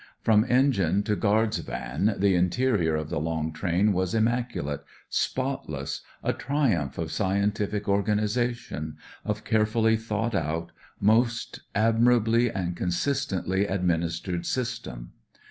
From engine to gutfd's van the interior of the long train was immaculate, spot less, a triumph of scientific organisation, of carefully thought out, most admirably and consistently administered system.